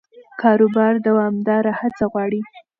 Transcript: کاروبار دوامداره هڅه غواړي.